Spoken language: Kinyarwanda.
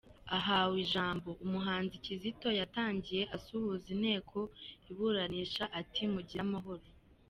Ahawe ijambo, Umuhanzi Kizito yatangiye asuhuza inteko iburanisha ati “ Mugire amahoro”.